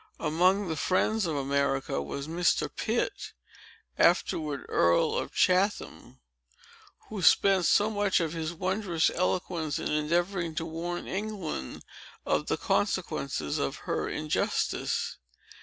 Among the friends of America was Mr. Pitt, afterward Earl of Chatham, who spent so much of his wondrous eloquence in endeavoring to warn England of the consequences of her injustice.